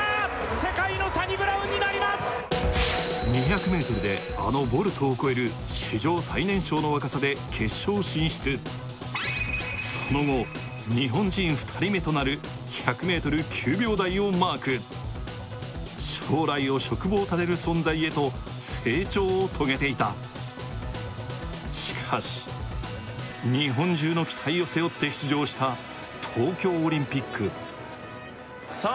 世界のサニブラウンになります２００ｍであのボルトを超える史上最年少の若さで決勝進出その後日本人２人目となる１００ｍ９秒台をマーク将来を嘱望される存在へと成長を遂げていたしかし日本中の期待を背負って出場した東京オリンピックさあ